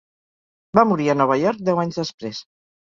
Va morir a Nova York deu anys després.